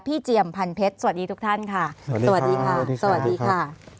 พี่เจียมพันเพชรสวัสดีทุกท่านค่ะสวัสดีค่ะ